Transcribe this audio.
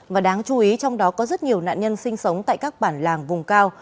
và đáng chú ý trong đó có rất nhiều nạn nhân sinh sống tại các bản làng vùng cao